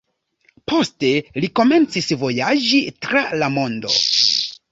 Poste li komencis vojaĝi tra la mondo.